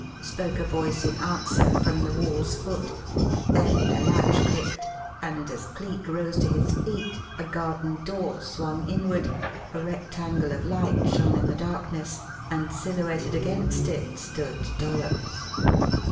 spoke a voice in answer, from the wall's foot; then a latch clicked and, as Cleek rose to his feet, a garden door swung inward, a rectangle of light shone in the darkness, and silhouetted against it stood Dollops.